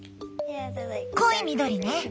濃い緑ね。